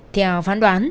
theo phán đoán